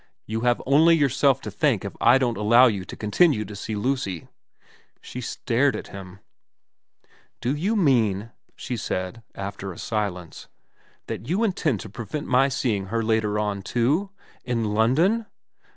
You have only yourself to thank if I don't allow you to continue to see Lucy.' VERA 355 She stared at him. ' Do you mean,' she said, after a silence, ' that you intend to prevent my seeing her later on too ? In London